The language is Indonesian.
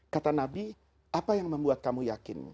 kata nabi apa yang membuat kamu yakin